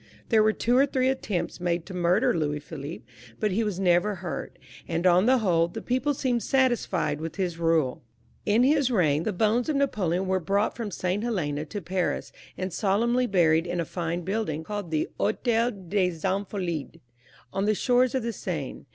There were two or three attonipts made to murder Louis Philippe, bnt he was novx>r hurt ; and, on tlie whole, the people seemed satisfied with his nile. In his i^ign the boneis of Napoleon were brought fiom $t Helena to Pisuis. and solemnly boiied in a fine Ixiilding, CONCLUSION. 449 called the Hotel des Invalides, on the shores of the Seine.